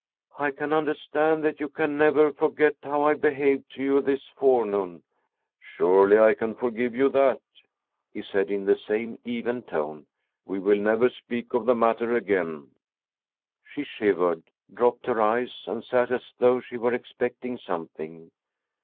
"I can understand that you can never forget how I behaved to you this forenoon." "Surely I can forgive you that," he said in the same even tone. "We will never speak of the matter again." She shivered, dropped her eyes, and sat as though she were expecting something.